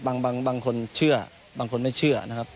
บางคนเชื่อบางคนไม่เชื่อนะครับ